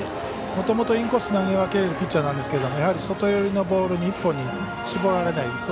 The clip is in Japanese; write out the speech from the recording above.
もともとインコース投げ分けるピッチャーなんですけどやはり外寄りのボール１本に絞られない